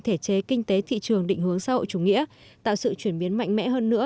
thể chế kinh tế thị trường định hướng xã hội chủ nghĩa tạo sự chuyển biến mạnh mẽ hơn nữa